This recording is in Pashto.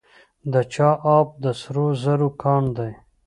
د چاه اب د سرو زرو کان دی